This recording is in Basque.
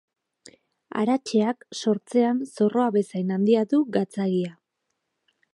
Aratxeak, sortzean, zorroa bezain handia du gatzagia.